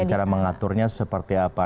jadi cara mengaturnya seperti apa